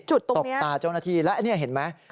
จุดตรงนี้ตกตาเจ้าหน้าที่และนี่เห็นไหม